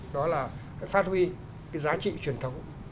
đó là phát huy cái giá trị truyền thống